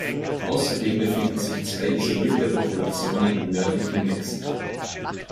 Außerdem befinden sich zwei isolierte Populationen im nördlichen Mexiko.